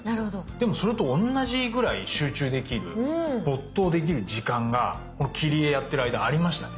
でもそれと同じぐらい集中できる没頭できる時間がこの切り絵やってる間ありましたね。